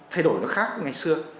thay đổi nó khác ngày xưa